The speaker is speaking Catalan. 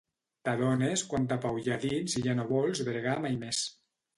T'adones quanta pau hi ha dins i ja no vols bregar mai més.